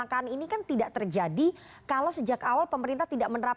nanti kita akan bahas lebih dalam